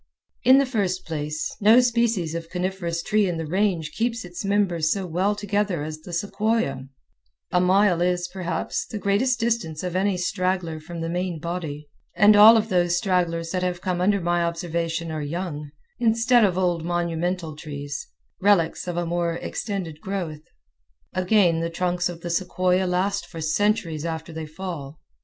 In the first place, no species of coniferous tree in the Range keeps its members so well together as the sequoia; a mile is, perhaps, the greatest distance of any straggler from the main body, and all of those stragglers that have come under my observation are young, instead of old monumental trees, relics of a more extended growth. Again, the great trunks of the sequoia last for centuries after they fall.